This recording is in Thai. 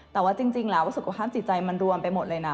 แต่ว่าจริงแล้วสุขภาพจิตใจมันรวมไปหมดเลยนะ